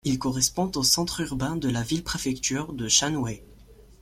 Il correspond au centre urbain de la ville-préfecture de Shanwei.